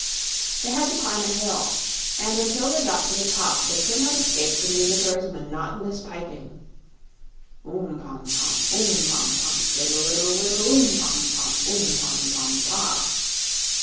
They had to climb a hill, and until they got to the top they could not escape the musicker's monotonous piping: Oom, pom pom; oom, pom pom; Tiddle iddle widdle, oom, pom pom; Oom, pom pom pah!